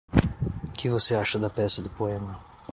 O que você acha da peça do poema?